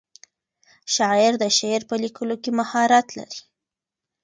شاعر د شعر په لیکلو کې مهارت لري.